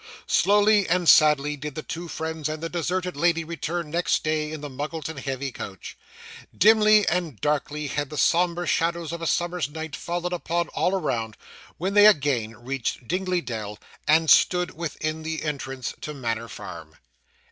Slowly and sadly did the two friends and the deserted lady return next day in the Muggleton heavy coach. Dimly and darkly had the sombre shadows of a summer's night fallen upon all around, when they again reached Dingley Dell, and stood within the entrance to Manor Farm.